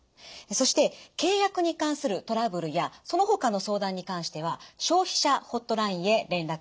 そして契約に関するトラブルやそのほかの相談に関しては消費者ホットラインへ連絡してください。